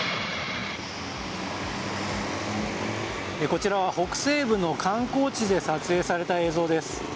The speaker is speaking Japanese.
こちらは北西部の観光地で撮影された映像です。